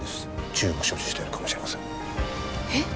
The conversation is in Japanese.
銃を所持しているかもしれませんえっ？